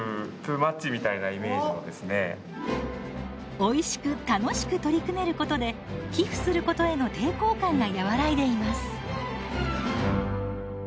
おいしく楽しく取り組めることで寄付することへの抵抗感が和らいでいます。